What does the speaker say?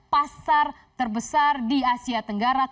pasar terbesar di asia tenggara